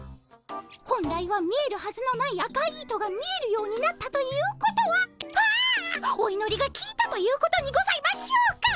本来は見えるはずのない赤い糸が見えるようになったということはああおいのりがきいたということにございましょうか。